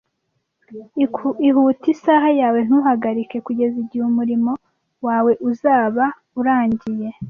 Ihute isaha yawe ntuhagarike, kugeza igihe umurimo wawe uzaba urangiye.